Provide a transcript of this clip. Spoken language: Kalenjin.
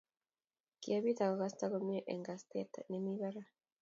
Kiebit akokasta komie eng kastaet nemi barak